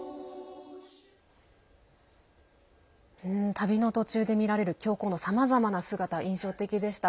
旅の途中で見られる教皇のさまざまな姿が印象的でした。